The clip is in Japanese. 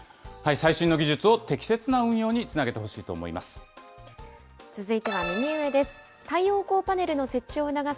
最新の技術を適切な運用につなげてほしいと思います。